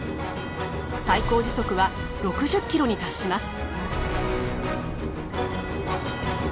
最高時速は６０ｋｍに達します。